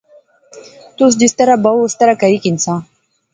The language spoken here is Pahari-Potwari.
تس جس طرح بائو اسے طرح کری ہنساں